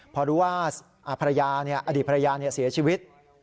พอรู้ว่าภรรยาอดีตภรรยาเสียชีวิต